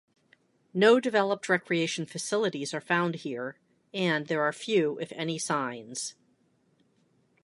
No developed recreation facilities are found here, and there are few, if any, signs.